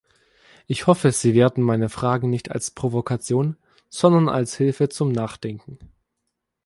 Ich hoffe, Sie werten meine Fragen nicht als Provokation, sondern als Hilfe zum Nachdenken.